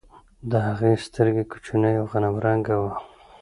د هغې سترګې کوچنۍ او غنم رنګه وه.